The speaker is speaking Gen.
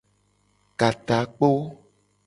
Ka takpo.